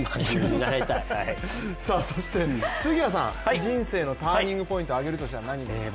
そして杉谷さん、人生のターニングポイントを挙げるとしたら何になりますか。